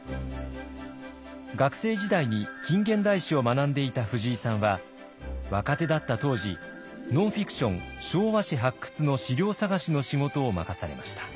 学生時代に近現代史を学んでいた藤井さんは若手だった当時ノンフィクション「昭和史発掘」の資料探しの仕事を任されました。